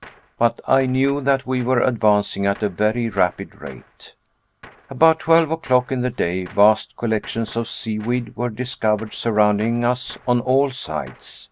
But I knew that we were advancing at a very rapid rate. About twelve o'clock in the day, vast collections of seaweed were discovered surrounding us on all sides.